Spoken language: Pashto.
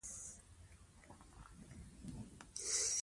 لیکوال دا ترخه حقایق وایي.